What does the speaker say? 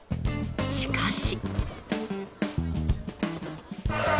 しかし。